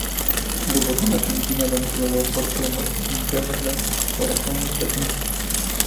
Debutó en Argentina, donde jugó por Temperley, Huracán y Platense.